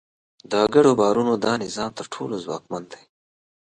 د ګډو باورونو دا نظام تر ټولو ځواکمن دی.